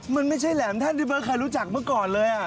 มันไม่ใช่แหลมท่านที่เบิร์ตเคยรู้จักเมื่อก่อนเลย